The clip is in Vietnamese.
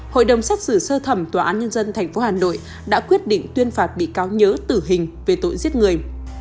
hội đồng xét xử sơ thẩm tòa án nhân dân tp hà nội đã quyết định tuyên phạt bị cáo nhớ tử hình về tội giết người